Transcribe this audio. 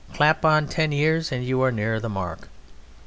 Clap on ten years and you are nearer the mark.